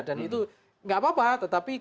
dan itu nggak apa apa tetapi